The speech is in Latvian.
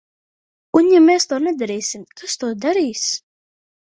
Un ja mēs to nedarīsim, kas to darīs?